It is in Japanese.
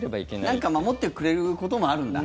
なんか守ってくれることもあるんだ。